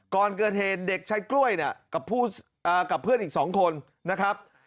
ก่อนเกิดเหตุเด็กชายกล้วยเนี้ยกับผู้อ่ากับเพื่อนอีกสองคนนะครับ